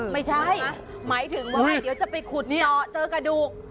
ไม่ใช่หมายถึงว่าเดี๋ยวจะไปขุดเจาะเจอกระดูก